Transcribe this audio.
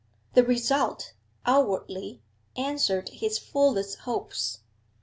The result, outwardly, answered his fullest hopes.